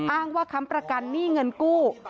อ้างว่าค้ำประกันหนี้เงินกู้